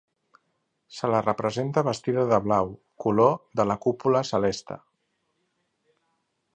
Se la representa vestida de blau, color de la cúpula celeste.